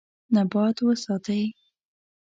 نبات وساتئ.